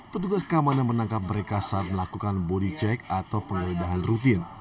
petugas keamanan menangkap mereka saat melakukan body check atau penggeledahan rutin